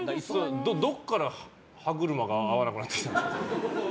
どこから歯車が合わなくなってきたんですか？